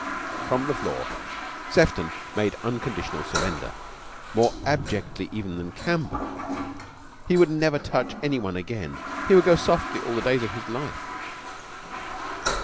From the floor Sefton made unconditional surrender, more abjectly even than Campbell. He would never touch any one again. He would go softly all the days of his life.